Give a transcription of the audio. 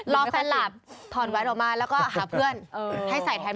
รอแฟนหลับถอดแหวนออกมาแล้วก็หาเพื่อนให้ใส่แทน